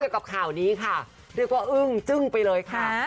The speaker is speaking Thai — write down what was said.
กับข่าวนี้ค่ะเรียกว่าอึ้งจึ้งไปเลยค่ะ